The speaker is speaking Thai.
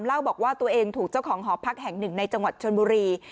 เล่าบอกว่าตัวเองถูกเจ้าของหอพักแห่งหนึ่งในจังหวัดชนบุรี